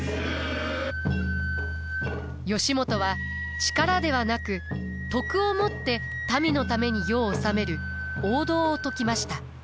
義元は力ではなく徳をもって民のために世を治める王道を説きました。